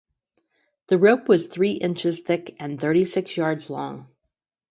The rope was three inches thick and thirty-six yards long.